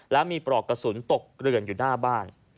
แล้วมีปลอกกระสุนตกเกลื่อนอยู่หน้าบ้าน